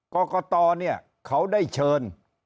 กรกตเขาได้เชิญ